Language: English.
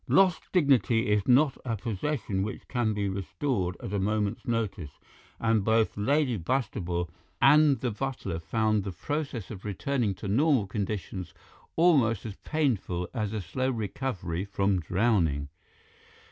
Lost dignity is not a possession which can be restored at a moment's notice, and both Lady Bastable and the butler found the process of returning to normal conditions almost as painful as a slow recovery from drowning.